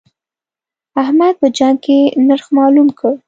احمد په جنګ کې نرخ مالوم کړ.